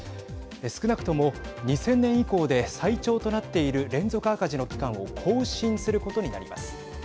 少なくとも２０００年以降で最長となっている連続赤字の期間を更新することになります。